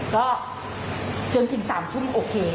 ก็จนถึง๓ทุ่มโอเค